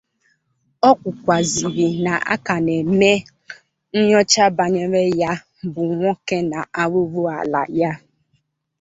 O kwukwazịrị na a ka na-eme nnyocha banyere ya bụ nwoke na arụrụala ya